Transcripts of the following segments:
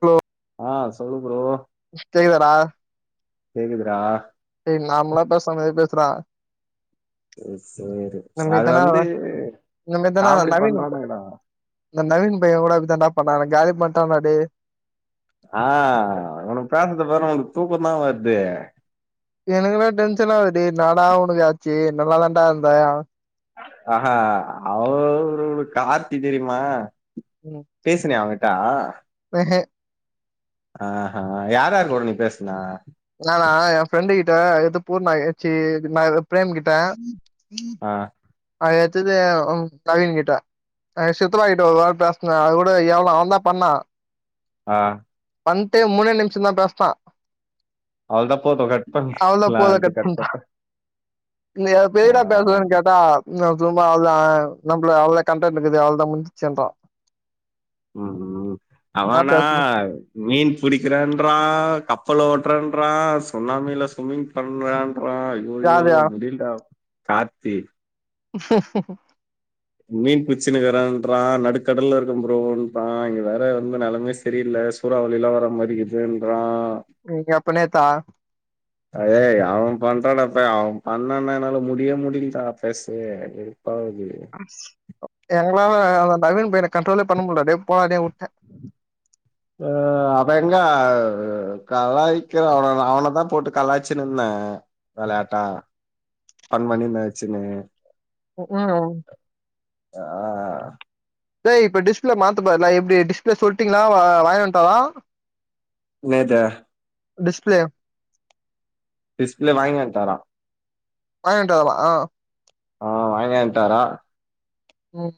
hello ஆ சொல்லு bro [unintelligible] லரா தெரியிது டா டேய் நார்மளா பேசுர மாரி பேசு டா சரி இந்த சரி மாரி அது தான வந்து இந்த மாரி தான காமெடி நவீன் பண்ரோனு வைடா இந்த நவீன் பைய கூட அப்டிதா டா பண்ணா என்ன காலி பண்ட்டா டேய் ஆ ஒனக்கு பேசறது பாரு ஒனக்கு தூக்க தா வருது எனக்குல்லா டென்ஷன்னாவுது டேய் எனடா ஒனக்கு ஆச்சு நல்லா தான்டா இருந்தே ஆஹ அவனவுடு ஒரு கார்த்தி தெரியுமா ம் பேசினியா அவங்கிட்டா வேஹெ ஆ ஹெ யாராருகுட நீ பேசுனா நானா என் ஃப்ரெண்டு கிட்ட எது பூர்ண ஏச்சி இது மாரி பிரேம் கிட்ட ஆ அது எத்தது உங் கவின் கிட்ட ஆ சித்தப்ப கிட்ட ஒரு வார் பேஸ்ன அது கூட எவ்ளவு அவன் தா பண்ணா ஆ வண்டே மூனே நிம்ஷ தா பேஸ்னா அவ்லோதா போட்டோ கட்பண்ணி அவள்தா லான்டு கட்பன்ட இல்லயா பேயடா பேசலன்னு கே தா சும்மா அவளதா நம்மள அவ்ள கம்பர் பண்றது அவ்லோதா முஞ்சுச்சுன்ரா ம் ம் அவனா மீன் புடிக்கிறேன்றா கப்பலோட்டுறேன்றா சுண்ணாமில சும்மிங் பண்றேன்றா ஐயயோ யாருயா முடில்டா கார்த்தி [inaudible] மீன் புச்சினுக்கரேன்றா நடுக்கடல்ல இருக்க ப்ரோன்றா இங்க வேற வந்து நெலமையே சரியில்ல சூறாவளில வர மாரி இருகுதுன்ட்ரா ம் எப்ப நேத்தா அயே அவ பண்றடாப்ப அவ பண்ணன என்னால முடிய முடில்ட பேசவே வெறுப்பாவுது [inaudible] எங்ளால அந்த நவீன் பயன கன்ட்ரோலே பண்ண முட்ல டே போடே டே வுட்டே ஆ அவ எங்க கலாய்க்றா அவன நா அவன தா போட்டு கலாச்சினுந்தே வெளையாட்டா ஃபன் பண்ணினு வச்சுன்னு ம் ம் ஆ டே இப்போ டிஸ்பிளே மாத்துபா ல்ல எப்டி டிஸ்பிளே சொல்ட்டீங்ளா வாங்கின் வன்ட்டானா இன்னது டிஸ்ப்ளே டிஸ்ப்ளே வாங்கிவன்ட்டாரா வாங்கி வன்ட்டாரா ஆ வாங்கியான்ட்டாரா ம்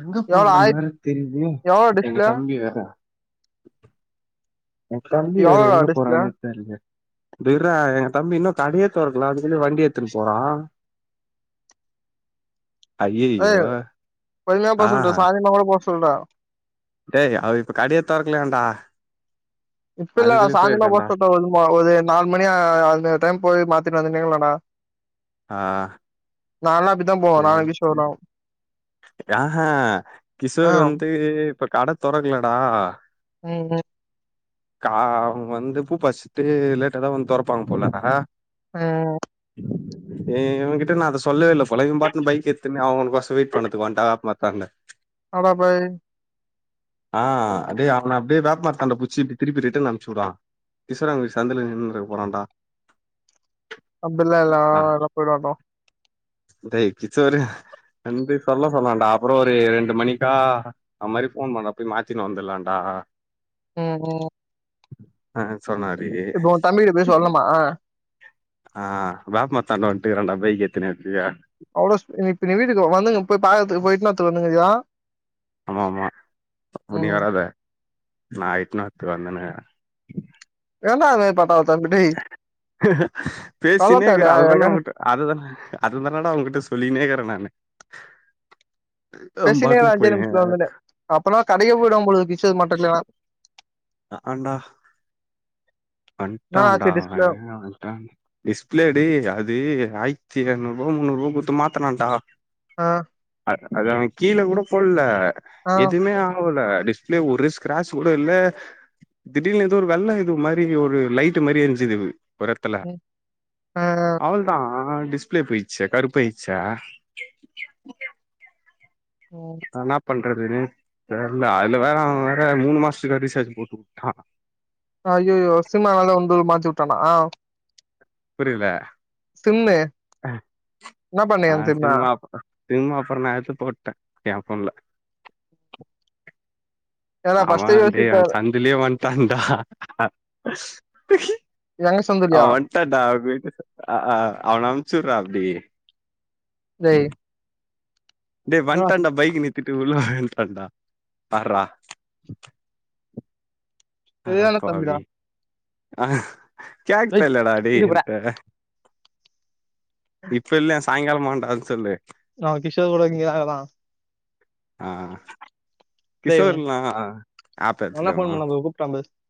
எங்க எவ்ளோ போறான் ஆயித் வேற தெரிலயே எவ்ளோ எங்க டிஸ்பிளே தம்பி வேற எந்தம்பி வேற எவ்ளோடா எங்க டிஸ்பிளே போறானே தெர்ல டே இர்றா எ தம்பி இன்னு கடையே தொறக்கல அதுக்குள்ள வண்டிய எடுத்துன் போறா ஏ ஐயையோ பொறுமையா போ சொல்றா சாய்ந்தராமா கூட போ சொல்றா டே அவ இப்ப கடயே தொறக்கலையாண்டா இப்ப இல்லடா சாயந்தர்மா போ சொல்றா மெதுவா ஒரு நால் மணி அ அந்த டைம் போய் மாத்திட் வந்துனேக்ங்ளாண்டா ஆ நால்லா அப்டிதா போவே நா கிஷோர் லா ஆ ஹே ஆ கிஷோர் வந்து இப்ப கட தொறக்கலடா ம் ம் கா அவ வந்து பூ ஃபஸ்ட்டு லேட்டா தா வந்து தொறப்பாங்க போல ஆ ஏ இவங்கிட்ட நா அத சொல்லவே இல்ல போல இவன் பாட்னு பைக் எத்துன்னு அவனு ஃபஸ்சு மீட் பண்ணத்து வன்ட்டா [unintelligible] அடா பாய் ஆ அதே அவன அப்டியே வேப்மரத்தான்ட புட்ச்சி இப்டி திருப்பி ரிட்டன் அன்ப்ச்சுரா ஈஸ்வரங் கோய்ல் சந்துல நின்ருக்க போறான்டா அப்டிலா இல்ல அ ஆ அதெலா போயிடுவான்டோ டேய் கிஷோரு தம்பி சொல்ல சொன்னான்டா அப்றோ ஒரு ரெண்டு மணிக்கா அந் மாரி ஃபோன் பண்ற போய் மாத்தினு வந்துலான்டா ம் ம் ஆ சொன்னாரி இப்போ ஒ தம்பி கிட்ட போய் சொல்னுமா ஆ வேப்மர்த்தாண்ட வன்ட்டு இருக்றான்டா பைக் எத்துனு அப்டியே அவ்ளோ ஸ்பி நீ இப்ப நீ வீட்டுக்கு வா வந்துனு போய் பாக்கத்துக்கு போய் இன்னோருத்தரு வந்த்னுக்ரியா ஆமாமா அப்ப நீ ம் வராத நா இட்னு வரத்துகு வந்துனு ஏன்டா அந்த் மேரி பட்டா சொல்லத்தாடா பேசினேக்றா அதுதான்ன அழகா ஒங்கிட்ட அதுதான அது தானட உன்கிட்ட சொல்லினேகிரெ நானு அவன் பேசினே இரு பாட்டுக்னு அஞ்சே போயினேகிறா நிமிஷத்துல வந்துன்னு அப்பனா கடைகே போயிடுவான் போலகிது ஃபிஷ்சு மட்டன் இல்லன்னா அஆண்டா என்னா வண்டாண்டா ஆச்சு டிஸ்ப்ளே அவே வண்டா டிஸ்ப்ளேடி அது ஆயத்தி ஏழ்நூறுவா முன்னூறோ குத்து மாத்னான்டா ஆ அத் அது அவெ கீழ கூட பொல்ல ஆ எதுமே ஆவுல டிஸ்பிளே ஒரு ஸ்கிராச் கூட இல்ல திடீல்னு ஏதோ ஒரு வெள்ள இது மா ரி திடில்னு ஒரு லைட்டு மாரி எர்ஞ்சுது ஒர் எட்துல ம் ஆ அவள் அவள்தா டிஸ்பிளே போயிச்ச கருபாயிச்ச ம் ந என்னா பண்றதுனு தெர்ல அதுலவேற அவன் வேற மூணு மாஸ்த்துக்கு ரீசார்ச் போட்டுவுட்டா அய்யய்யோ சிம் அதநால உந்துல மாத்திவுட்டானா புரில சிம்மு என்ன பண்ணியா ஆ அந்த சிம்ம அப் சிம்ம அப்ற நா எத்து போட்ட ஏ போன்ல ஏன்டா ஃபர்ஸ்ட்டே அவன் டே அந் யோசிப்பாரு சந்துலே வண்ட டா எங்க சந்துலியா வண்டடா அவன் அ அ அவன அம்ச்சுர்ற அப்டி [unintelligible] டே என்னடா வண்டான் டா பைக்கு நித்திட்டு உள்ள வண்டடா பார்ரா சரியான தம்பிடா அடாப்பாவி ஆ டேய் கேக்தெல்லட டேய் இரு போடா என்ட இப்ப இல்ல சாயிங்காலமாண்ட சொல்லு அவ கிஷோர் கூட இங்க தா இருந்தா ஆ டேய் கிஷோர்லா ஆப் அவன்தா ஏத்லயாமா [unintelligible]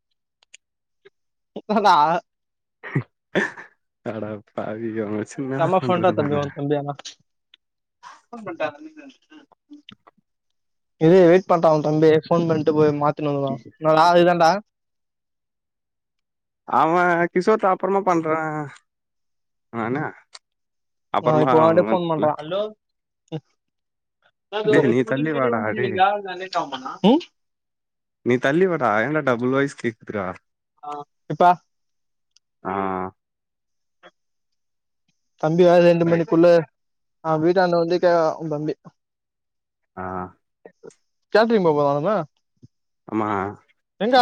உக்கார்ரா அடபாவிகளே செம்ம ஃபன்றா தம்பி உன் தம்பி ஆனா இது வெயிட் பண்றா உன் தம்பி போன் பண்ட்டு போய் மாத்துனுங்றா என்னடா அதுதான்டா அவன் கிஷோர்ட அப்றமா பண்ற நானு அவ அப்புறமா இப்போ ஒடனே போன் அவன்ல, பண்றா டேய் நீ தள்ளி வாடா டேய் ம் நீ தள்ளி வாடா ஏன்டா டபுள் வயஸ் கேக்துறா இப்ப இ தம்பி வேர ரெண்டு ரைட் மணிக்குள்ள அவ வீட்டாண்ட வந்து கேக்ரா உன் தம்பி ஆ கேட்ரிங் போ [unintelligible] ஆமா எங்க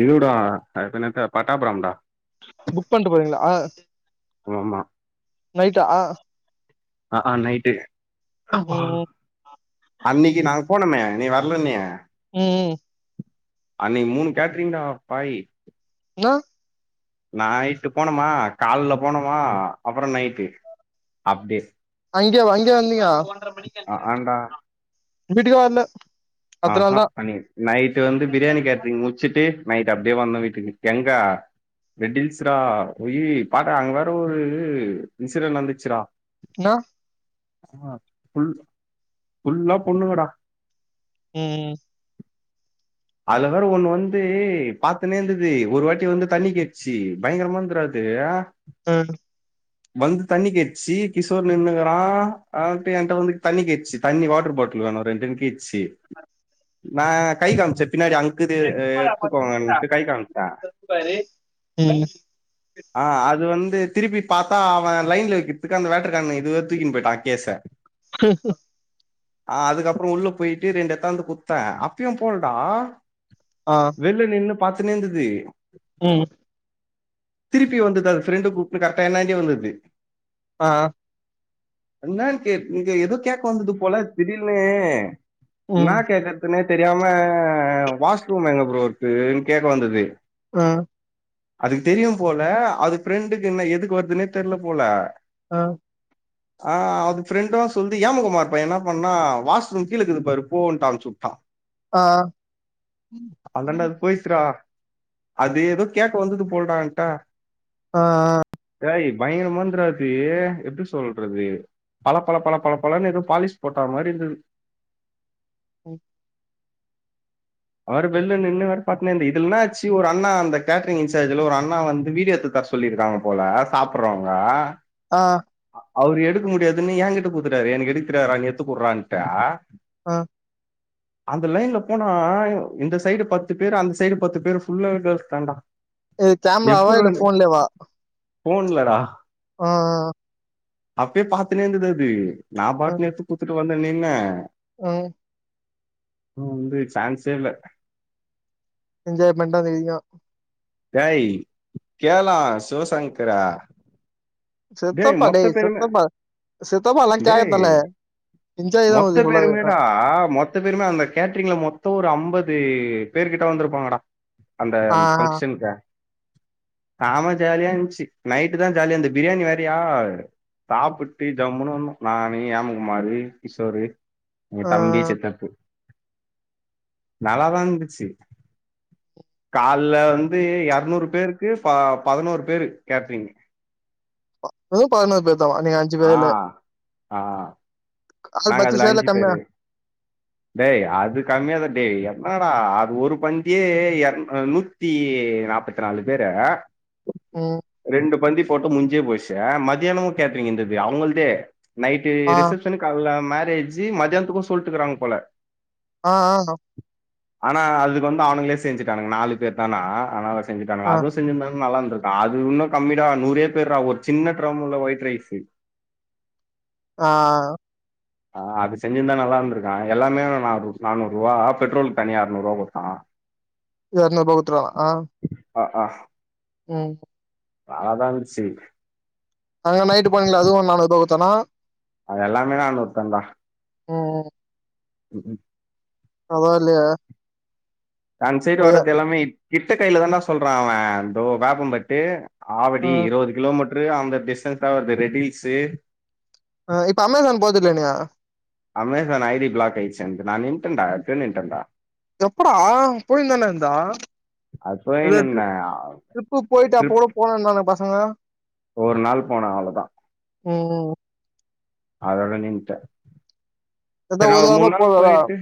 இருடா டெஃபனட்டா பார்த்த படம்டா புக் பண்ட்டு போறீங்ளா ஆமா நைட்டா ஆ ஆ நைட்டு ஹப்பா ம் அன்னைக்கு நாங்க போனுமே நீ வரலன்னையே ம் அன்னைக்கு மூணு கேட்ரிங்கா பாய் நோ நைட்டு போனுமா கால்ல போனுமா அப்பறம் நைட்டு அப்டியே அங்கய அங்கய வந்தீங்க ஆ ஆண்டா வீட்டுக்கே வரல பத்து ஆஹா நாள் தான் பன்னீர் நைட்டு வந்து பிரியாணி கேட்டரிங் முடிச்சுட்டு நைட் அப்டியே வந்த வீட்டுக்கு எங்கா ரெட்டில்ஸ்டா ஓய் பார்ரா அங்க வேற ஒரு இன்சிடன் நடந்துச்சுரா என்னா ஆ ஃபுல் ஃபுல்லா பொண்ணுங்கடா ம் ம் அதுல வேற ஒண்ணு வந்து பார்த்தனே இருந்தது ஒரு வாட்டி வந்து தண்ணி கேட்ச்சி பயங்கரமா இருந்துடா தேயா ஆ வந்து தண்ணி கேச்சி கிஷோர் நின்னுக்கரான் ஆ என்ட்ட வந்து தண்ணி கேச்சு தண்ணி வாட்டர் பாட்டில் வேணும் ரெண்டக்கு கேச்சி நான் கை காமிச்ச பின்னாடி அங் இக்குது எ எடுத்துக்கோங்க கை காமிச்ச ம் ஆ அது வந்து திருப்பி பார்த்தா அவன் லைன்ல வக்கிறதுக்கு அந்த வேட்டர் கான்இதுவே தூக்கின்னு போயிட்டான் கேஸ ஹ ஆ அதுக்கப்பறோ உள்ள போய்ட்டு ரெண்டு இத்தான் வந்து குடுத்தேன் அப்பும் போலடா ஆ வெள்ள நின்னு பாத்துனே இருந்தது ம் திருப்பி வந்தது அது ஃப்ரெண்டு குப்டுன்னு கரெக்டா என்னாந்தே வந்தது ஆ என்னான் கேக் இங்க ஏதோ கேட்க வந்தது போல திடீர்னு என்னா ம் கேக்க னே தெரியாம வாஷ்ரூம் எங்க ப்ரோ இருக்குன்னு கேக்க வந்தது ஆ அதுக்கு தெரியும் போல அது ஃபிரெண்டுக்கு என்ன எதுக்கு வருதுன்னே தெர்ல போல ஆ ஆ அது ஃப்ரெண்டு சொல்து ஏமகுமார்ப் பையன் என்னா பண்ணா வாஷ்ரூம் கீழ இருக்குது பாரு போன்டு அனுப்ச்சி விட்டான் ஆ போயிருச்சு டா அது ஏதோ கேட்க வந்தது போல என்ட்ட ஆ ஆ ஏய் பயங்கரமானதுரதுடா‌ அது எப்டி சொல்றது பல பல பல பல பலனு எதோ பாலிஷ் போட்டா மாரி இருந்தது ம் அவர் வெளில நின்னு வேற பாத்துனே இருந்தார் இது என்னாச்சு ஒரு அண்ண அந்த கேட்ரிங் இன்சார்ஜ்ல ஒரு அண்ணா வந்து வீடியோ எடுத்து தர சொ சொல்லிருக்காங்க போல சாப்பறவங்க ஆ அவரு எடுக்க முடியாதுன்னு என்கிட்ட கூடுத்துட்டாரு எனக்கு எடுக்தெரியாத்டா ந எத்துக்குடுறான்ட்டு ஆ அந்த லைன்ல போனா இந்த சைடு பத்து பேரு அந்த சைடு பத்து பேரு ஃபுல்லாவே கேள்ஸ் தாண்டா இது கேம்ராவா இல்ல ஃபோன்லேவா ஃபோன்லடா ஆ அப்டியே பாத்துனேந்திது அப்டி நா ஆ பாட்னு எட்த்து குத்துட்டு வந்து நின்ன ம் ம் வந்து சான்சே இல்ல என்ஜாய்மெண்ட்டா தெரியு டேய் கேல்லா சிவசங்கர சித்தப்பா டேய் சித்தப்பா சித்தப்பாலா டேய் கேகதான மொத்த பேருமேடா மொத் து பேருமே அந்த கேட்ரிங்ல மொத்தோ ஒரு அம்பது பேரு கிட்ட வந்திருப்பாங்கடா அந்த ஆ பங்க்ஷன்கா ஜாலியா இருந்ச்சு நைட்டுதா ஜாலியா இர்ந்து பிரியாணி வேறியா சாப்புட்டு ஜம்முனு வந்தோ நானு ஏமகுமாரு கிஷோரு உங்க ஆ தம்பி சித்தப்பு நல்லாதா இருந்துச்சு கால்ல வந்து எருநூறு பேருக்கு ஃபா பதுனோரு பேரு கேட்றிங்கு அ இப்பவு பதுனோர் பேர்தான நீங்க அஞ் ஆ ஆ ஆள் நாங்க பத்து அதுல சேர்ல அஞ்சு கம்மியா பேரு டேய் அது கம்மியாதா டேய் என்னடா அது ஒரு பந்தியே எர் அ நூ த்தி நாப்பத்து நாலு பேரு ம் ரெண்டு பந்தி போட்டு முஞ்சே போச்ச மதியானமு கேட்ரீங் இர்ந்தது அவுங்கள்து நைட்டு ஆ ரிசப்ஷனு கால்ல மேரேஜு மதியான்த்துக்கு சொல்ட்டுக்குறாங்க போல ஆ ஆ நா ஆனா அதுக்கு வந்து அவனுங்ளே செஞ்சுட்டானுங்க நாலு பேர்தானா அதுனால செஞ்சுட்டாங்களா ஆ அதுஸ் செஞ்சிருந்தது நல்லா இருந்திருக்கு அது இன்னு கம்மிடா நூரே பேர்ரா ஒரு சின்ன டிரம்ல ஒயிட் ரைஸு ஆ ஆ அது செஞ்சிர்ந்தா நல்லா இருந்துருக்கு ஆனா எல்லாமே நானூர் நானூருவா பெட்ரோல்க்கு தனியா எர்நூர்வா குட்த்தான் எர்நூர்பா குட்த்துர்வானா அ ஆஸ் ம் நல்லா தா இருந்துச்சு அங்க நைட்டு போனிங்ல அதுவு நானூர்பா குட்த்தானா அது எல்லாமே நானூர்தாண்டா ம் ம் ம் பரவாயில்லயே அந் சைடு வர்து எல்லாமே கிட்டகைல தாண்டா சொல்றான் அவன் இதோ வேப்பம்பட்டு ஆ ஆவடி இருவது கிலோமீட்ரு அந்த டிஸ்டன்ஸ்தா வருது ரெட்டு ஹில்ஸு ஆ இப்ப அமேசான் போதுல்ல நீ அ அமேசான் ஐ டி பிளாக் ஆய்ர்ச்சு என்து நான் நின்ட்டன்டா எப்பியோ நின்ட்டன்டா எப்படா போயிர்ந்தான இருந்த அது ஏதோ டு போயினுருந்தே ட்ரிப்பு போய்ட்டு அப்போ ட்ரிப் கூட போனனாங்க பசங்க ஒரு நாள் போனே அவ்ளோதா ம் அதோட நின்டே அதா செரி நா ஒரு வாரமா மூணு நாள் போலல போயிட்டு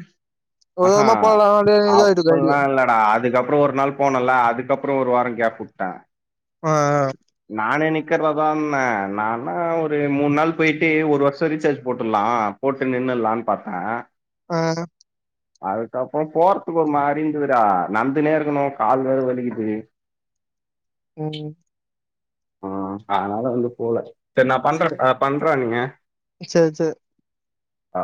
ஆ ஒரு ஹ வாரமா போலல இதாயிட்டு இருக்கு ஐடியா அப்பில்லா இல்ல நா அதுக்கப்பறோ ஒரு நாள் போனேல அதுக்கப்பறோ ஒரு வார கேப் உட்டே உ ஆ நானே நிக்கறதாதா இருந்தே நானு ஒரு மூணு நாள் போயிட்டு ஒரு வருஷோ ரீசார்ஜ் போட்டுர்லா போட்டு நின்னுல்லா பாத்தே ஆ அதுக்கப்பறோ போறதுக்கு ஒரு மாரி இருந்ததுடா நடந்துகினே இருக்கணு கால் வேற வலிக்குது ம் ஆ அதனால வந்து போல செரி நா பண்றே ஆ பண்றா நீங்க சேரி சேரி ஆ